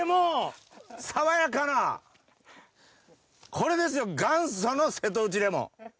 これですよ元祖の瀬戸内レモン。